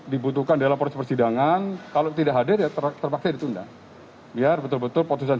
dibutuhkan dalam proses persidangan kalau tidak hadir ya terpaksa ditunda biar betul betul putusan